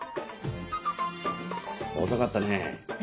遅かったね。